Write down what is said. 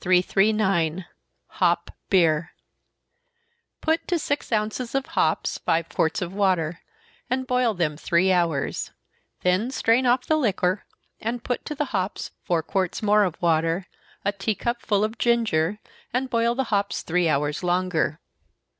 339. Hop Beer. Put to six ounces of hops five quarts of water, and boil them three hours then strain off the liquor, and put to the hops four quarts more of water, a tea cup full of ginger, and boil the hops three hours longer.